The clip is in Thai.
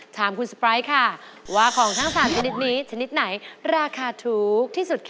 ถามคุณสปายค่ะว่าของทั้ง๓ชนิดนี้ชนิดไหนราคาถูกที่สุดค่ะ